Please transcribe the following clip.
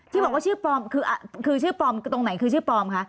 ที่บอกว่าชื่อปลอมคือชื่อปลอมตรงไหนคือชื่อปลอมคะ